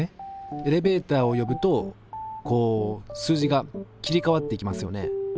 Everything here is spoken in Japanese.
エレベーターを呼ぶとこう数字が切り替わっていきますよね。